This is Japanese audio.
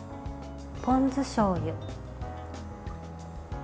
ポン酢しょうゆ。